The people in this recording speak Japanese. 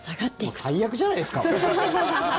もう最悪じゃないですか。